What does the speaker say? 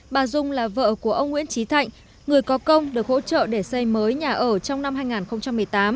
bà dung là vợ của ông nguyễn trí thạnh người có công được hỗ trợ để xây mới nhà ở trong năm hai nghìn một mươi tám